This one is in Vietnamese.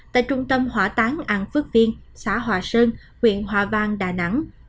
tại trung tâm hỏa táng an phước viên xã hòa sơn huyện hòa vang đà nẵng